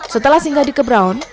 setelah singgah di kebraun